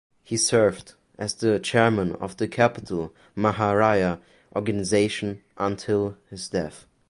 He served as the chairman of the Capital Maharaja organisation until his death.